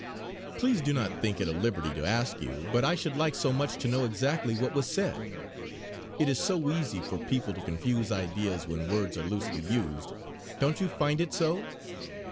"Please do not think it a liberty to ask you; but I should like so much to know exactly what was said. It is so easy for people to confuse ideas when words are loosely used. Don't you find it so?"